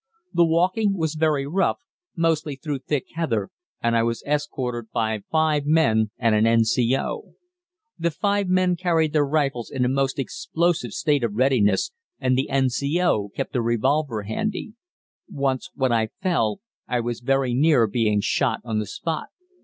The walking was very rough, mostly through thick heather, and I was escorted by five men and an N.C.O. The five men carried their rifles in a most explosive state of readiness and the N.C.O. kept a revolver handy. Once, when I fell, I was very near being shot on the spot.